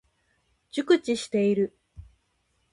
熟知している。